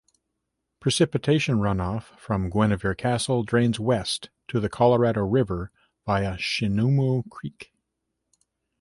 Precipitation runoff from Guinevere Castle drains west to the Colorado River via Shinumo Creek.